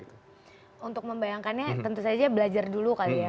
untuk membayangkannya tentu saja belajar dulu kali ya